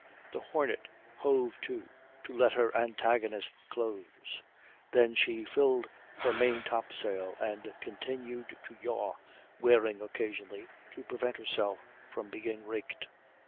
The Hornet hove to, to let her antagonist close; then she filled her maintop sail and continued to yaw, wearing occasionally to prevent herself from being raked.